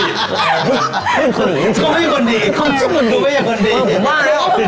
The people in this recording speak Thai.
เขาไม่คนดี